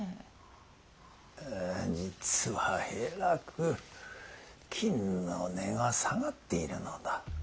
実はえらく金の値が下がっているのだ。